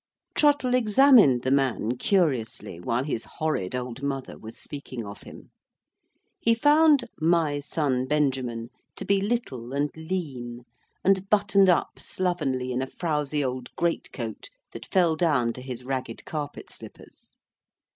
Trottle examined the man curiously, while his horrid old mother was speaking of him. He found "My son Benjamin" to be little and lean, and buttoned up slovenly in a frowsy old great coat that fell down to his ragged carpet slippers.